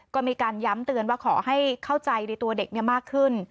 ก็มีการย้ำเตือนว่าขอให้เข้าใจในตัวเด็กมากขึ้น